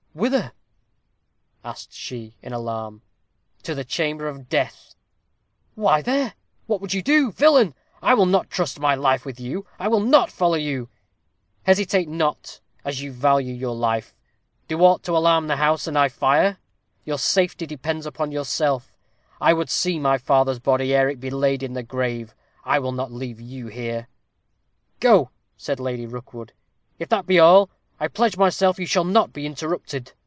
"Whither?" asked she, in alarm. "To the chamber of death!" "Why there? what would you do? Villain! I will not trust my life with you. I will not follow you." "Hesitate not, as you value your life. Do aught to alarm the house, and I fire. Your safety depends upon yourself. I would see my father's body ere it be laid in the grave. I will not leave you here." "Go," said Lady Rookwood; "if that be all, I pledge myself you shall not be interrupted."